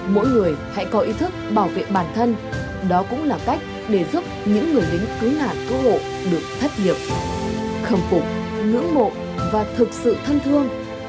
mỗi người hãy có ý thức bảo vệ bản thân đó cũng là cách để giúp những người lính cứu nạn cứu hộ được thất nghiệp khâm phục ngưỡng mộ và thực sự thân thương